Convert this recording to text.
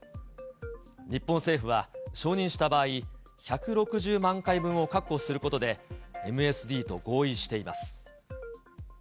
日本政府は承認した場合、１６０万回分を確保することで、ＭＳＤと合意しています。